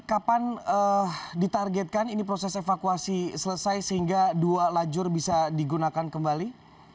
kapan ditargetkan ini proses evakuasi selesai sehingga dua lajur bisa digunakan kembali